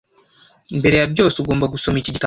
Mbere ya byose, ugomba gusoma iki gitabo.